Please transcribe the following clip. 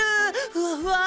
ふわふわ！